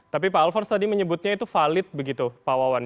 tapi pak alfons tadi menyebutnya itu valid begitu pak wawan